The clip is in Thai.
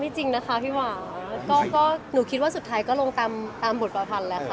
จริงนะคะพี่หวาก็หนูคิดว่าสุดท้ายก็ลงตามบทประพันธ์แล้วค่ะ